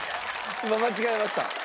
今間違えました。